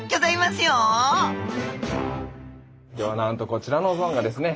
ではなんとこちらのゾーンがですね